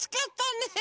ねえ。